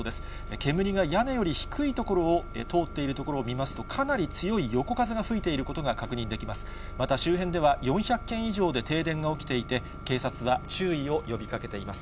煙が屋根より低い所を通っているところを見ますと、かなり強い横風が吹いていることが確認できます。